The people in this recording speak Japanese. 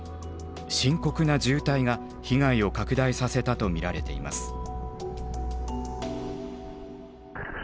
深刻な渋滞が被害を拡大させたと見られています。